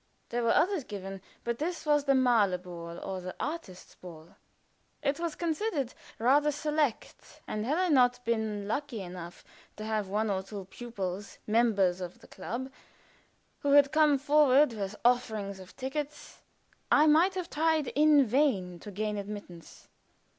There were others given, but this was the Malerball, or artists' ball. It was considered rather select, and had I not been lucky enough to have one or two pupils, members of the club, who had come forward with offerings of tickets, I might have tried in vain to gain admittance.